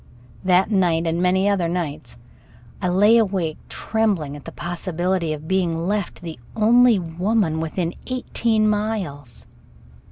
That night and many other nights I lay awake, trembling at the possibility of being left the only woman within eighteen miles.